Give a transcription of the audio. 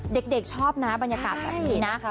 เด็กชอบนะบรรยากาศแบบนี้นะ